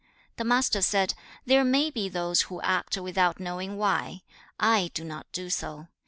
The Master said, 'There may be those who act without knowing why. I do not do so.